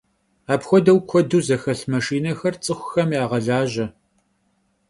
Apxuedeu kuedu zexelh maşşinexer ts'ıxuxem yağelaje.